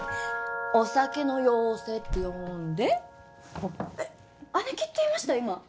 お酒の妖精って呼んで姉貴って言いました今？